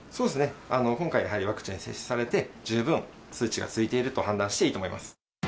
今回、やはりワクチン接種されて、十分数値がついていると判断していいと思います。